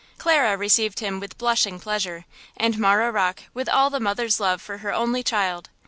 Clara received him with blushing pleasure, and Marah Rocke with all the mother's love for her only child.